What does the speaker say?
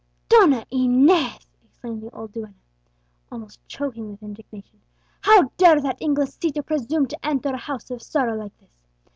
"Donna Inez!" exclaimed the old duenna, almost choking with indignation, "how dare that Inglesito presume to enter a house of sorrow like this!